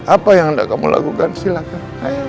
apa yang hendak kamu lakukan silahkan